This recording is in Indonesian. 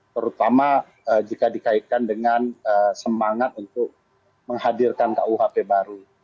terutama jika dikaitkan dengan semangat untuk menghadirkan kuhp baru